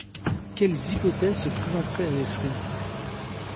Quelles hypothèses se présenteraient à l’esprit?...